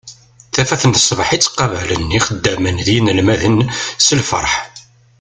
Tafat n sbeḥ i ttqabalen yixeddamen d yinelmaden s lferḥ.